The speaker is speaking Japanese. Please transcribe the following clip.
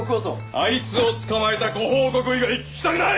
あいつを捕まえたご報告以外聞きたくない‼